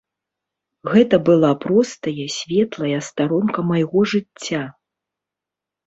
Гэта была простая светлая старонка майго жыцця.